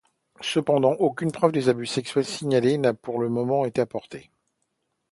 Cependant, aucune preuve des abus sexuels signalés n'a pour le moment été apportée.